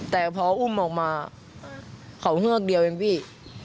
แต่พออุ้มออกมาเขาเงือกเดียวเองพี่